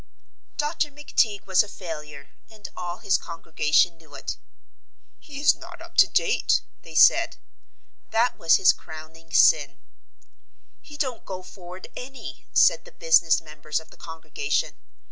Dr. McTeague was a failure, and all his congregation knew it. "He is not up to date," they said. That was his crowning sin. "He don't go forward any," said the business members of the congregation.